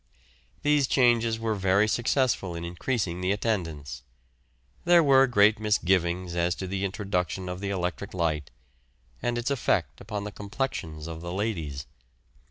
These changes were very successful in increasing the attendance. There were great misgivings as to the introduction of the electric light, and its effect upon the complexions of the ladies.